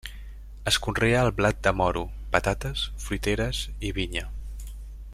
Es conrea el blat de moro, patates, fruiteres i vinya.